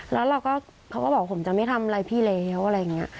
แล้วเราก็เขาก็บอกผมจะไม่ทำอะไรพี่แล้วอะไรอย่างนี้